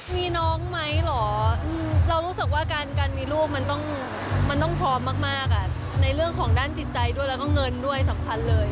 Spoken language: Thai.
มีน้องไหมเหรอเรารู้สึกว่าการมีลูกมันต้องพร้อมมากในเรื่องของด้านจิตใจด้วยแล้วก็เงินด้วยสำคัญเลย